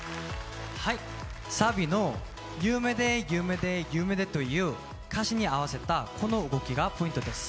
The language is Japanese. サビの「夢で夢で夢で」という歌詞に合わせたこの動きがポイントです。